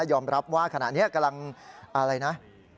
ยอมรับว่าขณะนี้กำลังอะไรนะ